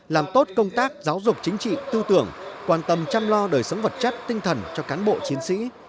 làm tốt công tác giáo dục chính trị tư tưởng quan tâm chăm lo đời sống vật chất tinh thần cho cán bộ chiến sĩ